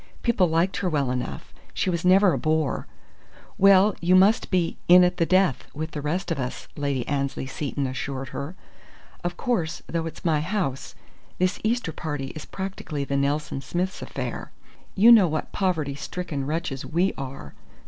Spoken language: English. People liked her well enough: she was never a bore. "Well, you must be 'in at the death,' with the rest of us," Lady Annesley Seton assured her. "Of course, though it's my house, this Easter party is practically the Nelson Smiths' affair. You know what poverty stricken wretches we are!